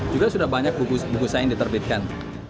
juga sudah banyak buku saya yang diterbitkan